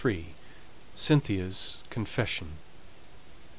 CYNTHIA'S CONFESSION.